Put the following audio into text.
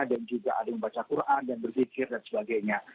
dan juga ada yang membaca quran dan berzikir dan sebagainya